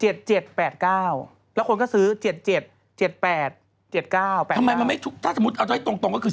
ออกอะไร๗๗๘๙แล้วคนก็ซื้อ๗๗๗๘๗๙ทำไมไม่ถูกถ้าทุกอย่างตรงคือ๔๕๓๔